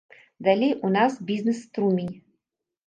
Далей у нас бізнес-струмень.